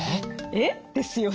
「えっ？」ですよね。